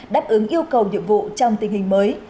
đáp ứng yêu cầu nhiệm vụ trong tình hình mới